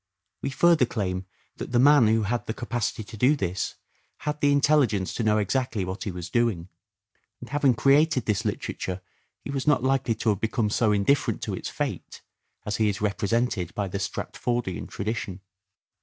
We further claim that the man who had the capacity to do this had the intelligence to know exactly what he was doing ; and having created this literature he was not 386 "SHAKESPEARE" IDENTIFIED likely to have become so indifferent to its fate as he is represented by the Stratfordian tradition.